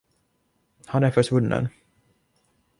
Han är försvunnen.